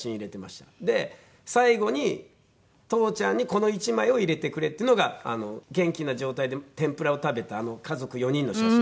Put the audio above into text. で最後に父ちゃんにこの１枚を入れてくれっていうのが元気な状態で天ぷらを食べたあの家族４人の写真。